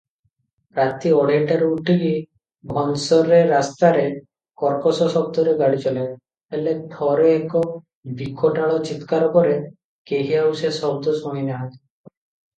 ରାତି ଅଢ଼େଇଟାରୁ ଉଠିକି ଭୋନ୍ସରର ରାସ୍ତାରେ କର୍କଶ ଶବ୍ଦରେ ଗାଡ଼ି ଚଲାଏ, ହେଲେ ଥରେ ଏକ ବିକଟାଳ ଚିତ୍କାର ପରେ କେହି ଆଉ ସେ ଶବ୍ଦ ଶୁଣିନାହାଁନ୍ତି